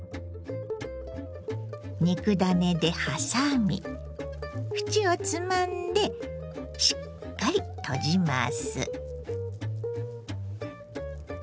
肉ダネで挟み縁をつまんでしっかり閉じます。